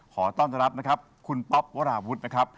ขอต้อนรับนะครับคุณป๊อปวราวุฒินะครับ